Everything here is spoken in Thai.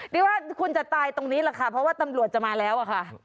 เรียกว่าคุณจะตายตรงนี้แหละค่ะเพราะว่าตำรวจจะมาแล้วอะค่ะ